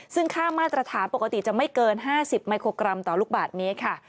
ซึ่งค่ามาตรฐานปกติจะไม่เกิน๕๐มิโครกรัมต่อลูกบาทเมตรค่ะ